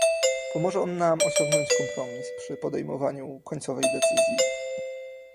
Pomoże on nam osiągnąć kompromis przy podejmowaniu końcowej decyzji